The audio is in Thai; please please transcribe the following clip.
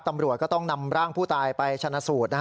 ตำรวจก็ต้องนำร่างผู้ตายไปชนะสูตร